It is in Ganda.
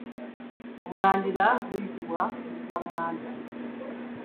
Omulandira guyitibwa muzzanganda.